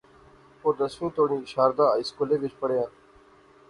او دسویں توڑیں شاردا ہائی سکولے وچ پڑھیا